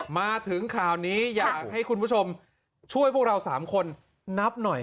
มาถึงคราวนี้อยากให้คุณผู้ชมช่วยพวกเรา๓คน